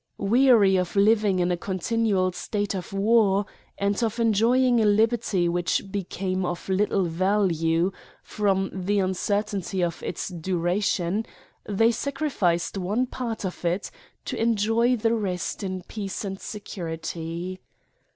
Weary of living in a continual state of war, and of enjoying a liberty, which became of little value, from the uncertainty of its du ration, they sacrificed one part of it, to enjoy the rest in peace and security.